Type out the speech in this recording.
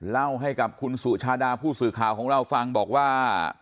เล่าให้กับคุณสุชาดาผู้สื่อข่าวของเราฟังบอกว่า